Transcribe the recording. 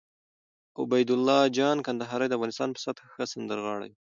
عبیدالله جان کندهاری د افغانستان په سطحه ښه سندرغاړی وو